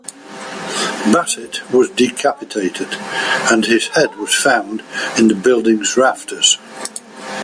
Bassett was decapitated, and his head was found in the building's rafters.